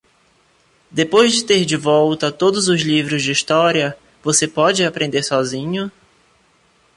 Depois de ter de volta todos os livros de história, você pode aprender sozinho?